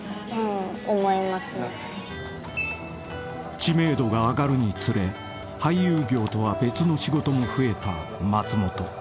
［知名度が上がるにつれ俳優業とは別の仕事も増えた松本］